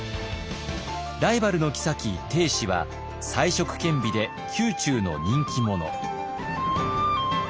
ライバルの后定子は才色兼備で宮中の人気者。